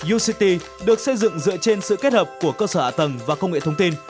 uct được xây dựng dựa trên sự kết hợp của cơ sở ả tầng và công nghệ thông tin